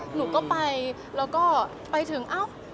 หนูก็ไปแล้วก็ไปถึง